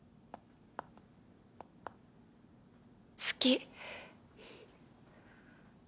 「好き」。